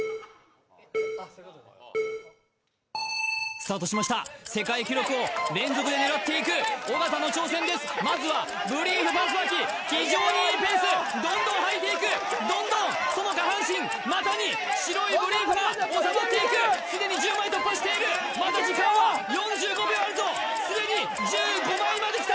スタートしました世界記録を連続で狙っていく尾形の挑戦ですまずはブリーフパンツはき非常にいいペースどんどんはいていくどんどんその下半身股に白いブリーフがおさまっていくすでに１０枚突破しているまだ時間は４５秒あるぞすでに１５枚まできた！